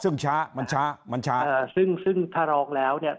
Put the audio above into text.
ซึ่งช้ามันช้ามันช้าซึ่งซึ่งถ้าร้องแล้วเนี่ย